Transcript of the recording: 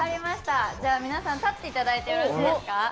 皆さん、立っていただいてよろしいですか。